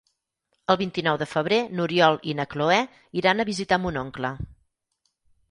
El vint-i-nou de febrer n'Oriol i na Cloè iran a visitar mon oncle.